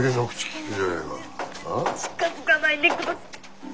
近づかないでください。